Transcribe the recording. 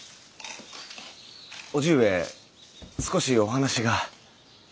叔父上少しお話が。